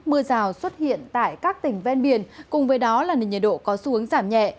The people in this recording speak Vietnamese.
mưa rào xuất hiện tại các tỉnh ven biển cùng với đó là nền nhiệt độ có xu hướng giảm nhẹ